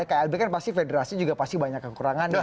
kalau ada klb kan pasti federasi juga pasti banyak yang kurang